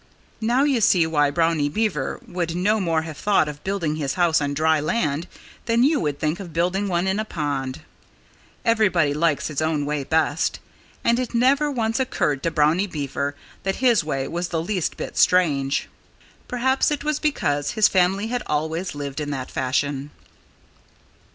Now you see why Brownie Beaver would no more have thought of building his house on dry land than you would think of building one in a pond. Everybody likes his own way best. And it never once occurred to Brownie Beaver that his way was the least bit strange. Perhaps it was because his family had always lived in that fashion.